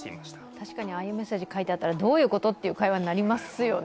確かにああいうメッセージが書いてあったら、どういうこと？ということになりますよね。